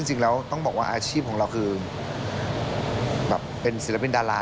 จราวลงอาชีพสื่อเป็นศิลปินเดารา